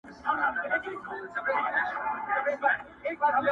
که زه مړ سوم ما به څوک په دعا یاد کي٫